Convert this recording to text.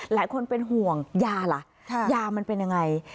หลายคนเป็นห่วงยาล่ะยามันเป็นยังไง